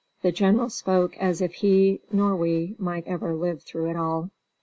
The General spoke as if he, nor we, might ever live through it all.